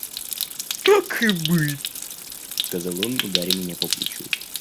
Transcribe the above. «Так и быть, – сказал он, ударя меня по плечу.